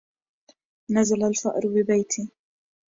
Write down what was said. نزل الفأر ببيتي